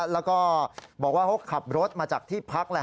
แล้วก็บอกว่าเขาขับรถมาจากที่พัก